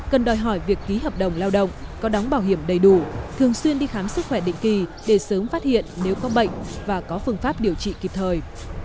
cần đòi hỏi việc ký hợp đồng lao động có đóng bảo hiểm đầy đủ thường xuyên đi khám sức khỏe định kỳ để sớm phát hiện nếu có bệnh và có phương pháp điều trị kịp thời